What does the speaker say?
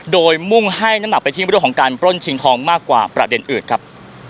โดยมุ่งให้น้ำหนักไปที่เรื่องของการปล้นชิงทองมากกว่าประเด็นอื่นครับ